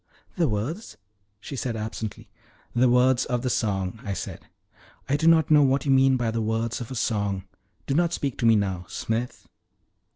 "The words?" she said absently. "The words of the song," I said. "I do not know what you mean by the words of a song. Do not speak to me now, Smith."